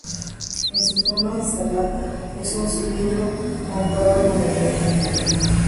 En su forma instalada, es un cilindro montado en un eje.